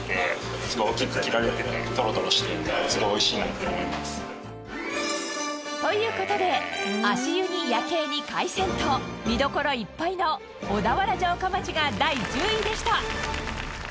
「フライか」という事で足湯に夜景に海鮮と見どころいっぱいの小田原城下町が第１０位でした。